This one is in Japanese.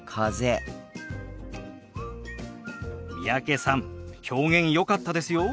三宅さん表現よかったですよ。